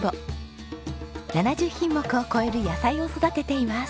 ７０品目を超える野菜を育てています。